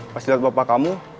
pas liat bapak kamu